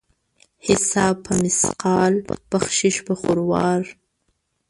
حساب په مثقال ، بخشش په خروار.